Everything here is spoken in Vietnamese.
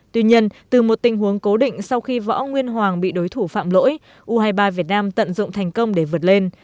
tuy nhiên từ một tình huống cố định sau khi võ nguyên hoàng bị đối thủ phạm lỗi u hai mươi ba việt nam tận dụng thành công để vượt lên